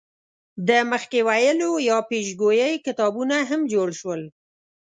د مخکې ویلو یا پیشګویۍ کتابونه هم جوړ شول.